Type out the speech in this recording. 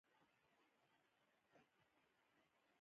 د نرخ تخفیف د جذب وسیله ده.